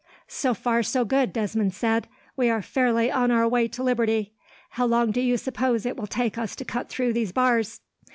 "So far, so good," Desmond said. "We are fairly on our way to liberty. How long do you suppose it will take us to cut through these bars?"